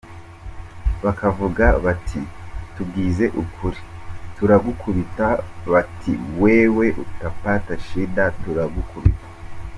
Bakavuga bati tubwize ukuri turagukubita, bati wewe utapata shida, turagukubita.